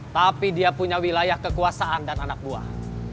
tapi dia punya wilayah kekuasaan dan anak buah